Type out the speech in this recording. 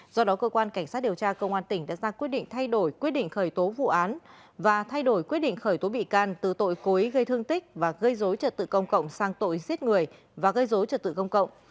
do đó cơ quan cảnh sát điều tra công an tỉnh đã ra quyết định thay đổi quyết định khởi tố vụ án và thay đổi quyết định khởi tố bị can từ tội cố ý gây thương tích và gây dối trật tự công cộng sang tội giết người và gây dối trật tự công cộng